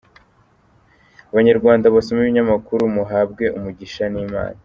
"Abanyarwanda basoma Ibinyamakuru muhabwe umugisha n’Imana.